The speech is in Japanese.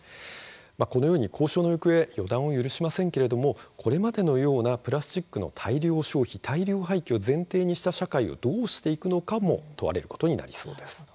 このように交渉の行方は予断を許しませんが、これまでのようなプラスチックの大量消費大量廃棄を前提にした社会をどうしていくのかも問われることになりそうです。